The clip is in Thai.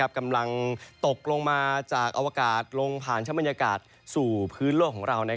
กำลังตกลงมาจากอวกาศลงผ่านชะบรรยากาศสู่พื้นโลกของเรา